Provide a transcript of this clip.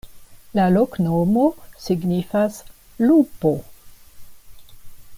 La loknomo signifas: lupo.